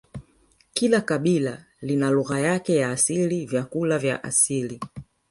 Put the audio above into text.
Kila kabila lina lugha yake ya asili vyakula vya asili